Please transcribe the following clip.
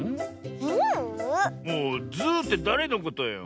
ズーってだれのことよ。